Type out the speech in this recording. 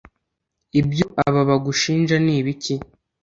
Ibyo aba bagushinja ni ibiki ?